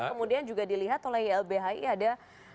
kemudian juga dilihat oleh ylbhi ada